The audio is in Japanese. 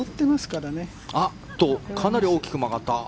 かなり大きく曲がった。